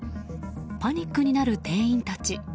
パニックになる店員たち。